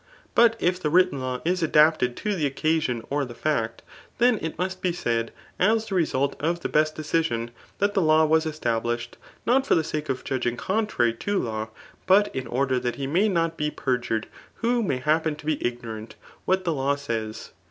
] But if the written law is adapted to the occaaon or the £ict» then it mu8t be said as the reault of the best dedsioni that the law was established not for the sake of judging contrary to law, but in order that he may not be perjured who may happen to be ignore what the law says.